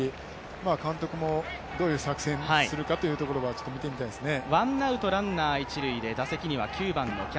監督もどういう作戦するかというところは見てみたいですね。